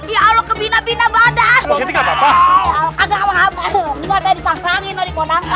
ya allah kebina bina badan agar